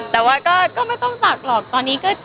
แต่ว่าก็ไม่ต้องศักดิ์หรอกตอนนี้ก็